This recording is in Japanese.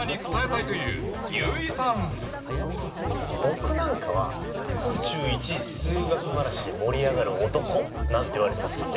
僕なんかは宇宙一数学話で盛り上がる男なんて言われてますけどね。